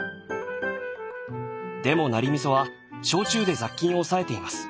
でもナリ味噌は焼酎で雑菌を抑えています。